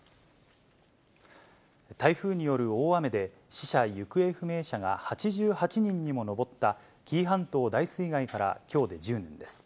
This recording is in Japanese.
台風による大雨で、死者・行方不明者が８８人にも上った紀伊半島大水害からきょうで１０年です。